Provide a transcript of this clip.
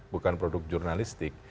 bukan produk jurnalistik